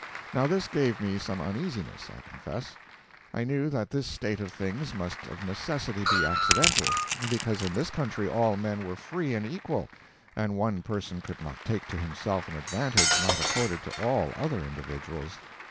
Now this gave me some uneasiness, I confess. I knew that this state of things must of necessity be accidental, because in this country all men were free and equal, and one person could not take to himself an advantage not accorded to all other individuals.